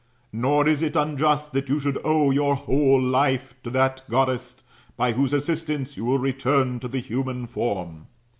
Nor is it unjust that you should owe your whole life to that Goddess, by whose assisttoce you will return to the human form.